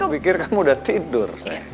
aku pikir kamu udah tidur say